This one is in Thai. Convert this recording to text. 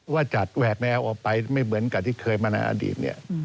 ว่าจัดแหวกแนวออกไปไม่เหมือนกับที่เคยมาในอดีตเนี่ย